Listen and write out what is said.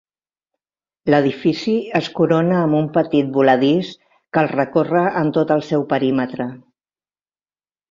L'edifici es corona amb un petit voladís que el recorre en tot el seu perímetre.